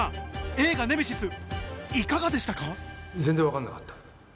映画『ネメシス』いかがでしたか？